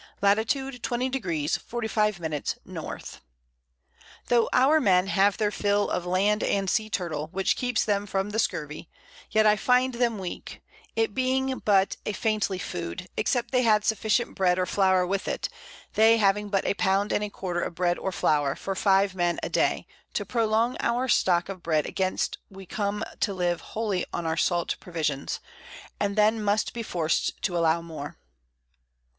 Lat. 20°. 45´´. N. Tho' our Men have their Fill of Land and Sea Turtle, which keeps them from the Scurvy, yet I find them weak, it being but a faintly Food, except they had sufficient Bread or Flower with it, they having but a Pound and a Quarter of Bread or Flower, for five Men a Day, to prolong our Stock of Bread against we come to live wholly on our salt Provisions, and then must be forced to allow more.